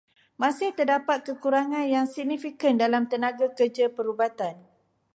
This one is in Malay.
Masih terdapat kekurangan yang signifikan dalam tenaga kerja perubatan.